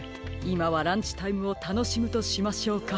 いまはランチタイムをたのしむとしましょうか。